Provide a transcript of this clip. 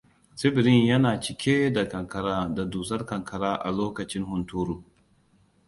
Tsibirin yana cike da kankara da dusar ƙanƙara a lokacin hunturu.